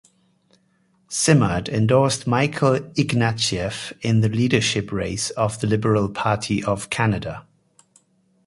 Simard endorsed Michael Ignatieff in the leadership race of the Liberal Party of Canada.